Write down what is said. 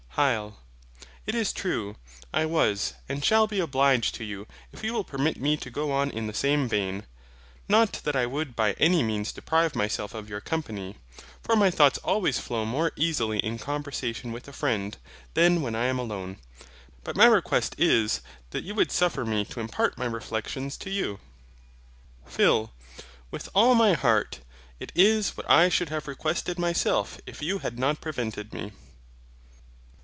HYL. It is true, I was, and shall be obliged to you if you will permit me to go on in the same vein; not that I would by any means deprive myself of your company, for my thoughts always flow more easily in conversation with a friend, than when I am alone: but my request is, that you would suffer me to impart my reflexions to you. PHIL. With all my heart, it is what I should have requested myself if you had not prevented me.